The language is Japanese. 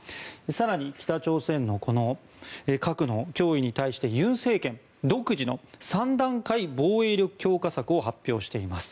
更に、北朝鮮の核の脅威に対して尹政権は独自の３段階防衛力強化策を発表しています。